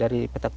dari petak cek